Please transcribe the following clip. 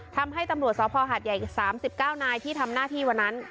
ทำให้ตำรวจสภหาดใหญ่๓๙นายที่ทำหน้าที่วันนั้น